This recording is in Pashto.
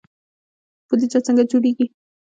بودجه څنګه جوړیږي؟